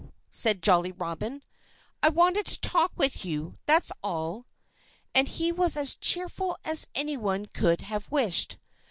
said Jolly Robin. "I want to talk with you that's all." And he was as cheerful as anyone could have wished.